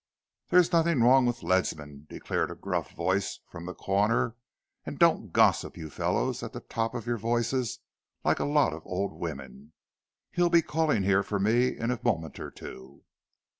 "There's nothing wrong with Ledsam," declared a gruff voice from the corner. "And don't gossip, you fellows, at the top of your voices like a lot of old women. He'll be calling here for me in a moment or two."